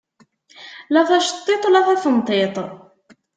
La taceṭṭiḍt la tafenṭiḍt.